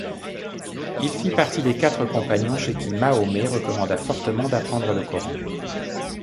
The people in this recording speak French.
Il fit partie des quatre compagnons chez qui Mahomet recommanda fortement d'apprendre le Coran.